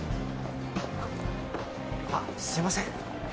あっすいません。